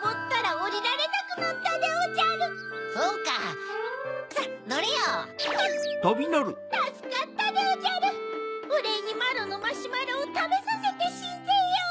おれいにまろのマシュマロをたべさせてしんぜよう。